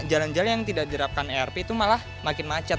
jalan jalan yang tidak diterapkan erp itu malah makin macet